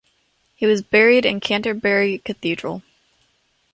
He was buried in Canterbury Cathedral.